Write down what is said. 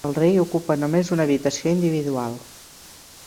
El rei ocupa només una habitació individual.